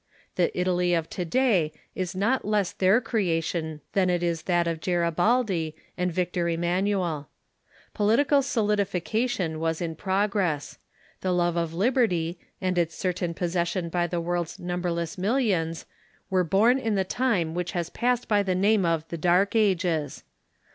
The Italy of to day is not less their creation than it is that of Garibaldi and Victor Emanuel. Political solidification was in progress. The love of liberty, and its certain j^ossession by the world's numberless millions, were born in the time which has passed by the name of the Dark Ages.